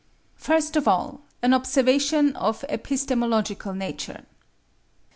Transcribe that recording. First of all, an observation of epistemological nature.